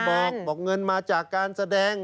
พูดจากการบอกบอกเงินมาจากการแสดง